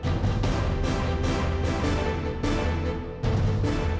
berarti sekarang langkah untuk merebut andre dari sisi dewi sudah semakin dekat